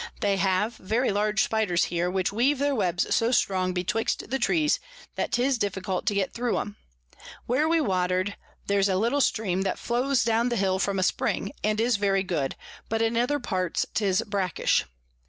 They have very large Spiders here, which weave their Webs so strong betwixt the Trees, that 'tis difficult to get thro 'em. Where we water'd, there's a little Stream that flows down the Hill from a Spring, and is very good, but in other parts 'tis brackish.